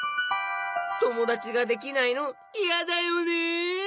ともだちができないのいやだよね！